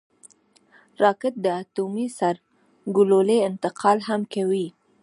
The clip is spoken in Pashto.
راکټ د اټومي سرګلولې انتقال هم کوي